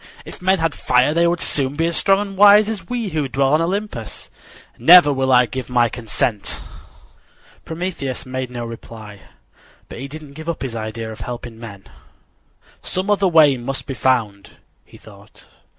"If men had fire they would soon be as strong and wise as we who dwell on Olympus. Never will I give my consent." Prometheus made no reply, but he didn't give up his idea of helping men. "Some other way must be found," he thought.